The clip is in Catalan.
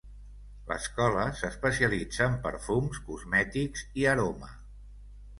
L'escola s'especialitza en perfums, cosmètics i aroma.